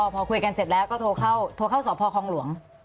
พอคุยกันเสร็จแล้วก็โทรเข้าสอบพอคองหลวง